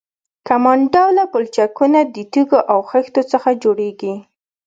کمان ډوله پلچکونه د تیږو او خښتو څخه جوړیږي